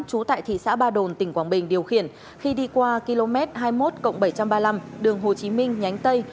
trú tại thị xã ba đồn tỉnh quảng bình điều khiển khi đi qua km hai mươi một bảy trăm ba mươi năm đường hồ chí minh nhánh tây